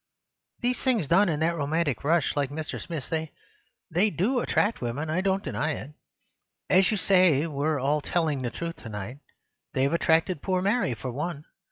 These things done in that romantic rush, like Mr. Smith's, they— they do attract women, I don't deny it. As you say, we're all telling the truth to night. They've attracted poor Mary, for one.